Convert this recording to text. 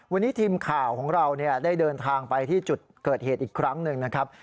วันนี้ทีมข่าวของเราได้เดินทางไปที่จุดเกิดเหตุอีกครั้งหนึ่งนะครับ